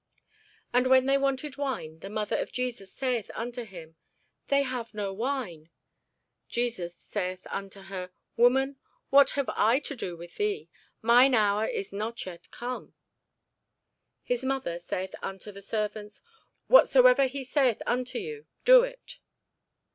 And when they wanted wine, the mother of Jesus saith unto him, They have no wine. Jesus saith unto her, Woman, what have I to do with thee? mine hour is not yet come. His mother saith unto the servants, Whatsoever he saith unto you, do it.